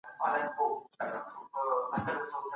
نظم په طبيعت کي سته.